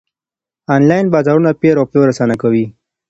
انلاين بازارونه پېر او پلور اسانه کوي.